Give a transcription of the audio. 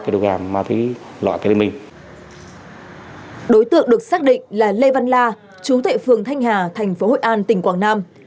đối tượng được xác định là lê văn la chú tệ phường thanh hà tp hội an tỉnh quảng nam